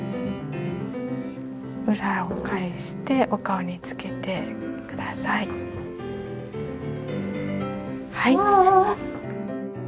裏を返してお顔につけてください。